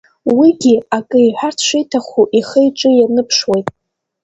Уигьы акы иҳәарц шиҭаху ихы-иҿы ианыԥшуеит.